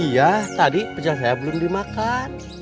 iya tadi pejalan saya belum dimakan